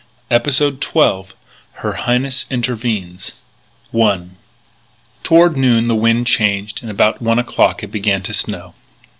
EPISODE TWELVE HER HIGHNESS INTERVENES I Toward noon the wind changed, and about one o'clock it began to snow.